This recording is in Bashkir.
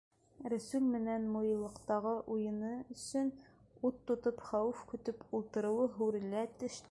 Рәсүл менән муйыллыҡтағы уйыны өсөн ут йотоп, хәүеф көтөп ултырыуы һүрелә төштө.